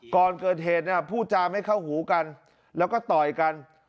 ก่อนเกิดเหตุผู้จามให้เข้าหูกันแล้วก็ต่อยกัน